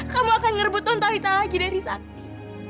kamu akan ngerebut nontalita lagi dari sakti